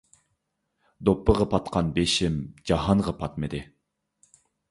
دوپپىغا پاتقان بېشىم جاھانغا پاتمىدى.